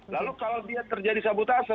lalu kalau dia terjadi sabotase